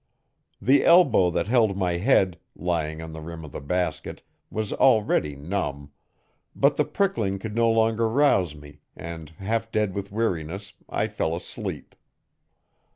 The elbow that held my head, lying on the rim of the basket, was already numb; but the prickling could no longer rouse me, and half dead with weariness, I fell asleep.